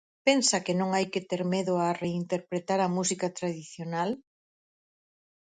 Pensa que non hai que ter medo a reinterpretar a música tradicional?